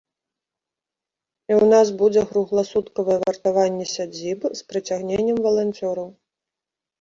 І ў нас будзе кругласуткавае вартаванне сядзібы, з прыцягненнем валанцёраў.